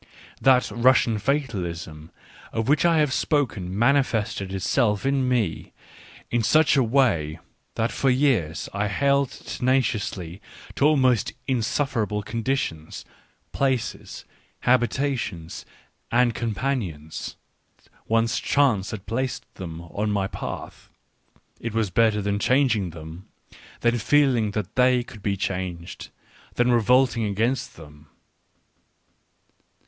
That " Russian fatalism " of which I have spoken manifested itself in me in such a way that for years I held tenaciously to almost insufferable conditions, places, habitations, and companions, once chance had placed them on my path — it was better than changing them, than feeling that they could be changed, than revolting against them.